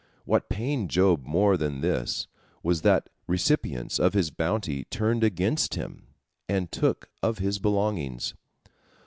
What pained Job more than this was that recipients of his bounty turned against him, and took of his belongings.